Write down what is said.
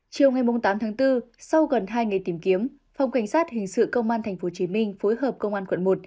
chiều ngày tám tháng bốn sau gần hai ngày tìm kiếm phòng cảnh sát hình sự công an tp hcm phối hợp công an quận một